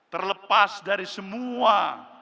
terlepas dari semua